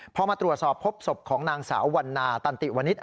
พอมาตรวจสอบพบศพของนางสาววันนาตันติวณิษฐ